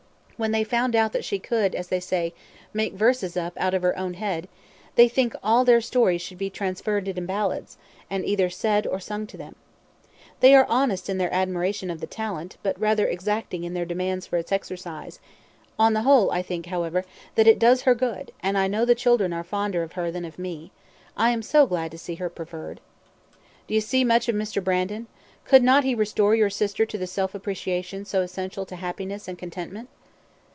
When they found out that she could, as they said, 'make verses up out of her own head,' they think all their stories should be transferred into ballads, and either said or sung to them. They are honest in their admiration of the talent, but rather exacting in their demands for its exercise; on the whole, I think, however, that it does her good, and I know the children are fonder of her than of me. I am so glad to see her preferred." "Do you see much of Mr. Brandon? Could not he restore your sister to the self appreciation so essential to happiness and contentment?"